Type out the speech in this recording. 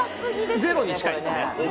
これねゼロに近いですね